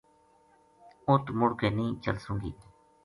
اُت مُڑ کے نیہہ چلسوں گی